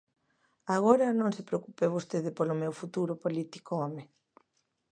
Agora, non se preocupe vostede polo meu futuro político, home.